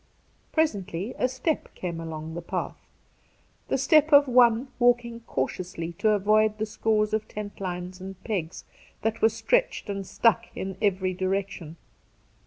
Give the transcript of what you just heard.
Presently a step came along the path — the step of one walking cautiously to avoid the scores of tent lines and pegs that were stretched and stuck in every direction.